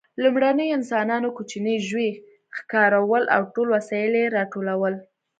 لومړنیو انسانانو کوچني ژوي ښکارول او ټول وسایل یې راټولول.